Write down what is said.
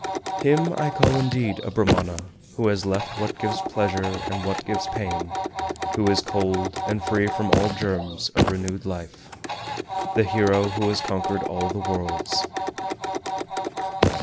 418. Him I call indeed a Brahmana who has left what gives pleasure and what gives pain, who is cold, and free from all germs (of renewed life), the hero who has conquered all the worlds.